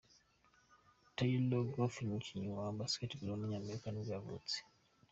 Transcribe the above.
Taylor Griffin, umukinnyi wa basketball w’umunyamerika nibwo yavutse.